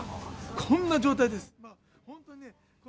こんな状態です。